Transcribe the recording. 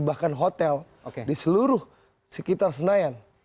bahkan hotel di seluruh sekitar senayan